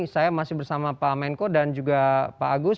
saya masih bersama pak menko dan juga pak agus